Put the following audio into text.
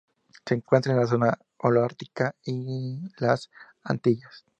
Se encuentra en la zona holártica y las Antillas.